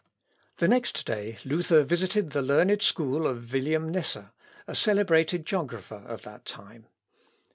] The next day Luther visited the learned school of William Nesse, a celebrated geographer of that time.